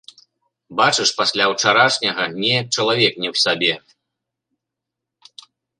Бачыш, пасля ўчарашняга неяк чалавек не ў сабе.